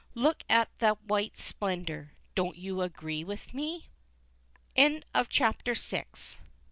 Look at that white splendor. Don't you agree with me? CHAPTER VII.